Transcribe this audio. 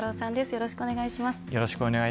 よろしくお願いします。